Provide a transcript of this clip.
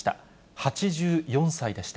８４歳でした。